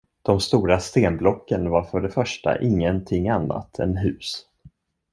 De stora stenblocken var för det första ingenting annat än hus.